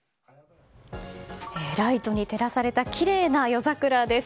ライトに照らされたきれいな夜桜です。